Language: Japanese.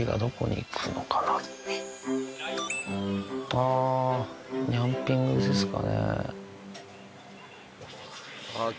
あぁニャンピングですかね。